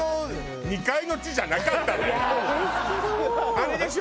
あれでしょ？